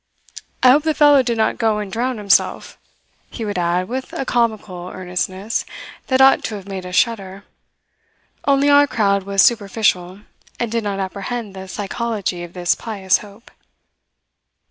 "I hope the fellow did not go and drown himself," he would add with a comical earnestness that ought to have made us shudder; only our crowd was superficial, and did not apprehend the psychology of this pious hope.